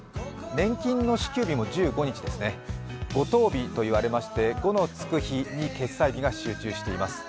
年金の支給日も１５日ですね五・十日と言われまして５のつく日に決済日が集中しています。